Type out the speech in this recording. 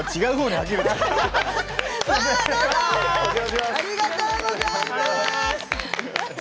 ありがとうございます。